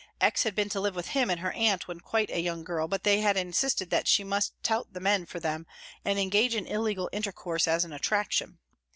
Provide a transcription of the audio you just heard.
X. had been to live with him and her aunt when quite a young girl, but they had insisted that she must tout the men for them, and engage in illegal intercourse as an attraction.